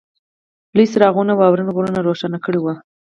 لویو څراغونو واورین غرونه روښانه کړي وو